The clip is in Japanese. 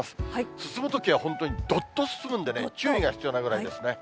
進むときは本当にどっと進むんでね、注意が必要なぐらいですね。